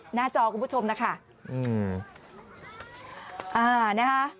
หน้าจอคุณผู้ชมนะคะ